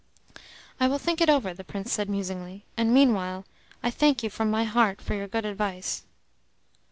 "I will think it over," the Prince said musingly, "and meanwhile I thank you from my heart for your good advice."